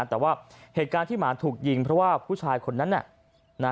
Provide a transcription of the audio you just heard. แต่ว่าเหตุการณ์ที่หมาถูกยิงเพราะว่าผู้ชายคนนั้นน่ะ